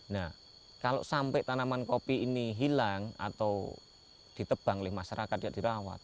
nah kalau sampai tanaman kopi ini hilang atau ditebang oleh masyarakat ya dirawat